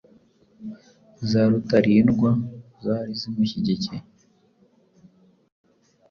za Rutalindwa zari zimushyigikiye